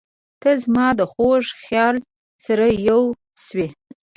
• ته زما د خوږ خیال سره یوه شوې.